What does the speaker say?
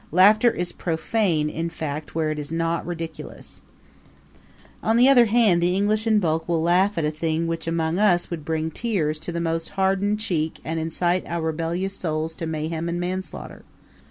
Laughter is profane, in fact, where it is not ridiculous. On the other hand the English in bulk will laugh at a thing which among us would bring tears to the most hardened cheek and incite our rebellious souls to mayhem and manslaughter.